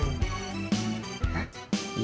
harus peduli sama orang lain